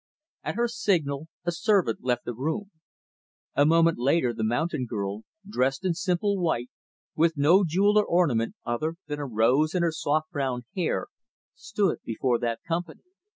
At her signal, a servant left the room. A moment later, the mountain girl, dressed in simple white, with no jewel or ornament other than a rose in her soft, brown hair, stood before that company.